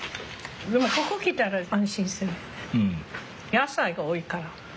野菜が多いから。